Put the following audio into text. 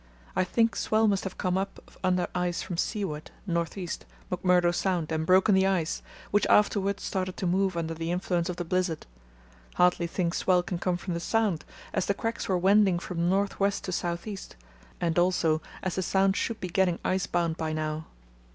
I think swell must have come up under ice from seaward (north east), McMurdo Sound, and broken the ice, which afterwards started to move under the influence of the blizzard. Hardly think swell came from the Sound, as the cracks were wending from north west to south east, and also as the Sound should be getting icebound by now.